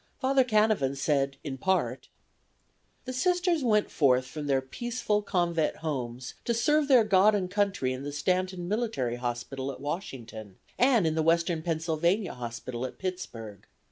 Father Canevin said in part: "The Sisters went forth from their peaceful convent homes to serve their God and country in the Stanton Military Hospital at Washington and in the Western Pennsylvania Hospital at Pittsburg.